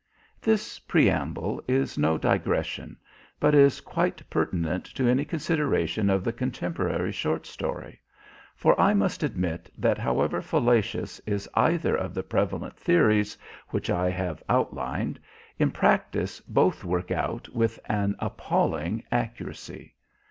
This preamble is no digression, but is quite pertinent to any consideration of the contemporary short story, for I must admit that however fallacious is either of the prevalent theories which I have outlined, in practice both work out with an appalling accuracy.